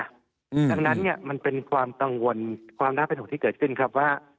ดังนั้นเนี่ยมันเป็นความกังวลความน่าเป็นห่วงที่เกิดขึ้นครับว่า